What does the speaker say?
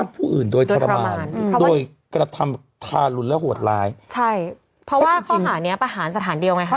เพราะว่าข้อหาเนี่ยประหารสถานเดียวไหมคะ